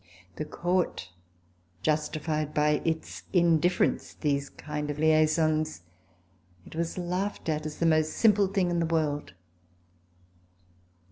The Court justified by its indiff"erence these kinds of liaisons. It was laughed at as the most simple thing in the world.